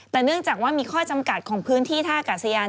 แต่เนื่องจากว่ามีข้อจำกัดของพื้นที่ท่ากาศยาน